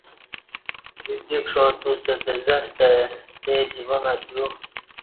ببدی کݜا توستہ دزں استہ اے جوانہ تیو